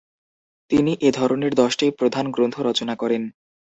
তিনি এ ধরনের দশটি প্রধান গ্রন্থ রচনা করেন।